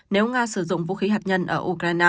nếu nga sử dụng vũ khí hạt nhân ở ukraine